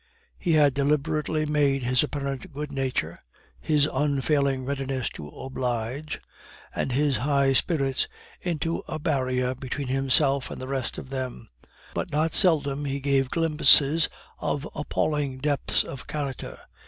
He had deliberately made his apparent good nature, his unfailing readiness to oblige, and his high spirits into a barrier between himself and the rest of them, but not seldom he gave glimpses of appalling depths of character.